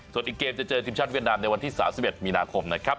ส่วนอีกเกมจะเจอทีมชาติเวียดนามในวันที่๓๑มีนาคมนะครับ